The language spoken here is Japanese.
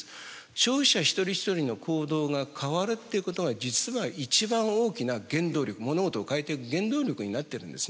消費者一人一人の行動が変わるということが実は一番大きな原動力物事を変えていく原動力になっているんですね。